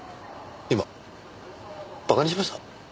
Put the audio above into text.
今馬鹿にしました？